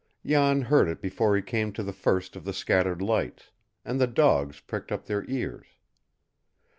Jan heard it before he came to the first of the scattered lights, and the dogs pricked up their ears.